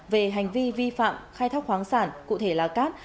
về hành vi vi phạm khai thác khoáng sản cụ thể là cát